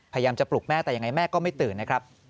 พยายามจะปลุกแม่แต่ยังไงแม่ก็ไม่ตื่นนะครับ